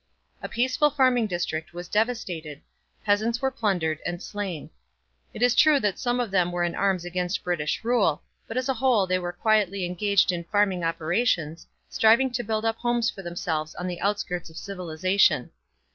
A peaceful farming district was devastated; peasants were plundered and slain. It is true that some of them were in arms against British rule, but as a whole they were quietly engaged in farming operations, striving to build up homes for themselves on the outskirts of civilization.